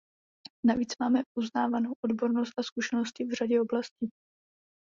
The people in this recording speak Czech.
Navíc máme uznávanou odbornost a zkušenosti v řadě oblastí.